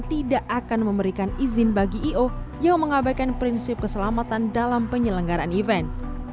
tidak akan memberikan izin bagi i o yang mengabaikan prinsip keselamatan dalam penyelenggaraan event